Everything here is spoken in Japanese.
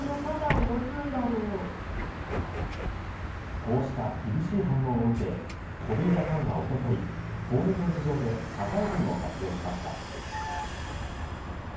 こうした厳しい反応を受けホビージャパンはおとといホームページ上で謝罪文を発表しました。